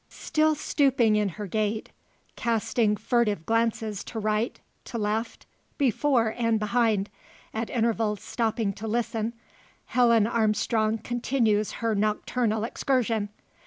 Still stooping in her gait, casting furtive glances to right, to left, before and behind at intervals stopping to listen Helen Armstrong continues her nocturnal excursion.